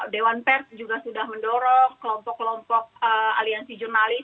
dewan pers juga sudah mendorong kelompok kelompok aliansi jurnalis